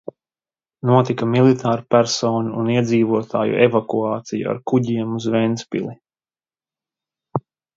Notika militārpersonu un iedzīvotāju evakuācija ar kuģiem uz Ventspili.